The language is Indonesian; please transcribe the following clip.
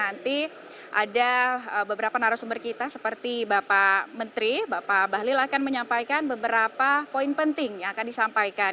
nanti ada beberapa narasumber kita seperti bapak menteri bapak bahlil akan menyampaikan beberapa poin penting yang akan disampaikan